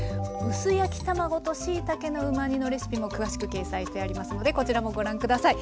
薄焼き卵としいたけのうま煮のレシピも詳しく掲載してありますのでこちらもご覧下さい。